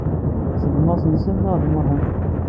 Cgg d Massnsn nɣ d Muḥand?